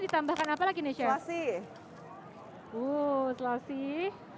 ditambahkan apa lagi nih chelsea uh selasih